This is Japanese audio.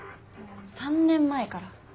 ３年前から。